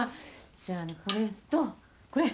じゃあこれとこれ。